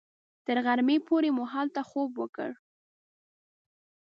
تر غرمې پورې مو هلته خوب وکړ.